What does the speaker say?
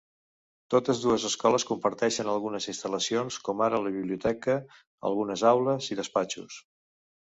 Totes dues escoles comparteixen algunes instal·lacions com ara la biblioteca, algunes aules i despatxos.